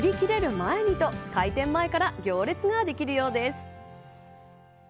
前にと開店前から行列ができるようです。